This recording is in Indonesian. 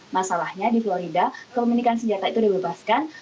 masalahnya di florida kepemilikan senjata itu dibebaskan